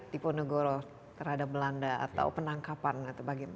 tipo nogoro terhadap belanda atau penangkapan atau bagaimana